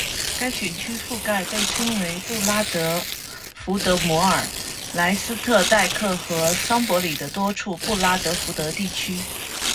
该选区覆盖被称为布拉德福德摩尔、莱斯特岱克和桑伯里的多处布拉德福德地区。